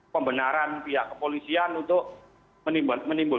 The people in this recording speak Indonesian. pembenaran pihak kepolisian untuk menimbulkan kekeosan itu mbak